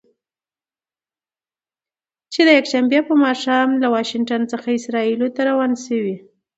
چې د یکشنبې په ماښام له واشنګټن څخه اسرائیلو ته روانه شوې.